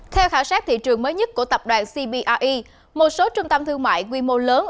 theo khảo sát thị trường mới nhất của tập đoàn cbie một số trung tâm thương mại quy mô lớn